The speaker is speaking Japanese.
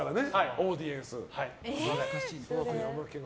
オーディエンスは。